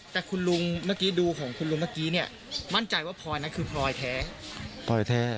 แต่คุณลุงเมื่อกี้ดูของคุณลุงเมื่อกี้เนี่ยมั่นใจว่าพลอยนั้นคือพลอยแท้พลอยแท้